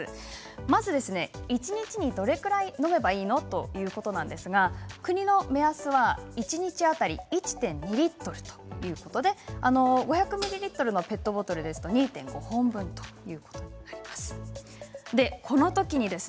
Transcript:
まず一日にどれくらい飲めばいいの？ということですが国の目安は一日当たり１．２リットルということで５００ミリリットルのペットボトルですと２．５本分ということになります。